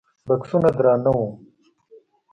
بکسونه درانه وو.